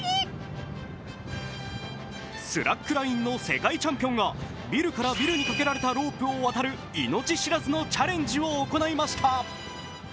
スラックラインの世界チャンピオンがビルからビルにかけられたロープを渡る、命知らずなチャレンジを行いました。